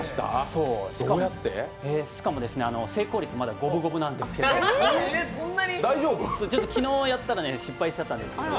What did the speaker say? しかも成功率、まだ五分五分なんですけど、昨日やったら失敗しちゃったんですけど。